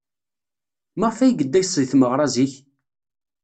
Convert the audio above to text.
Maɣef ay yedda seg tmeɣra zik?